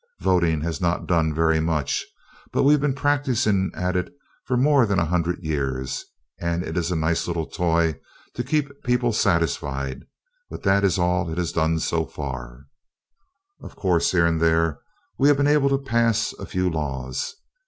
Voting has not done very much. We have been practicing at it for more than a hundred years, and it is a nice little toy to keep people satisfied, but that is all it has done so far. Of course, here and there we have been able to pass a few laws.